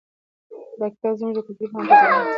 دا کتاب زموږ د کلتوري پوهاوي په زیاتولو کې مرسته کوي.